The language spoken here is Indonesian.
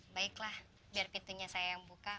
baiklah biar pintunya saya yang buka